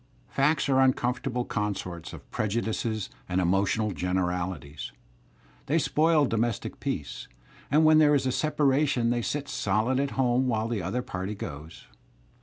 Facts are uncomfortable consorts of prejudices and emotional I generalities; they spoil domestic peace, and when there is a t separation they sit solid at home while the other party goes.